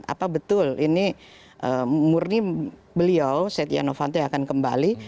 apa betul ini murni beliau setia novanto yang akan kembali